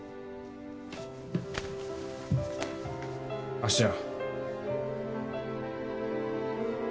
芦屋。